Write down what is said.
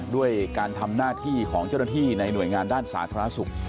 ด้วยการทำหน้าที่ของเจ้าหน้าที่ในหน่วยงานด้านสาธารณสุข